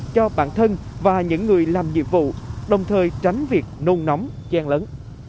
cho bản thân và những người làm nhiệm vụ đồng thời tránh việc nôn nóng gian lớn